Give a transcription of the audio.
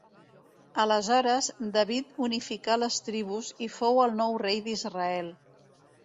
Aleshores, David unificà les tribus i fou el nou Rei d'Israel.